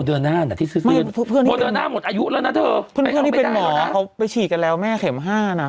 เพื่อนที่เป็นหมอเขาไปฉีกกันแล้วแม่เข็มห้านะ